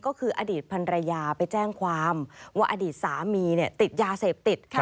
ก็คืออดีตพันรยาไปแจ้งความว่าอดีตสามีติดยาเสพติด